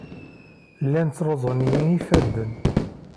Llan ttruẓun-iyi yifadden.